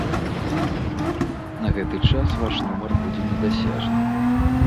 На гэты час ваш нумар будзе недасяжны.